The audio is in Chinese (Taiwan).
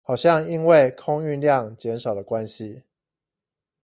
好像因為空運量減少的關係